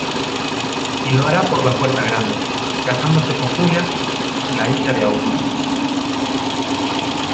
Y lo hará por la puerta grande: casándose con Julia, la hija de Augusto.